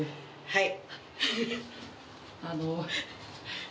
はい